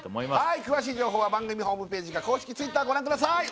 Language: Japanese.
はい詳しい情報は番組ホームページか公式Ｔｗｉｔｔｅｒご覧ください